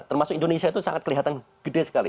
termasuk indonesia itu sangat kelihatan gede sekali